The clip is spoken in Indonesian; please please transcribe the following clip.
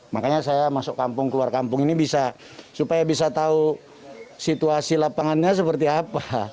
makanya saya masuk kampung keluar kampung ini bisa supaya bisa tahu situasi lapangannya seperti apa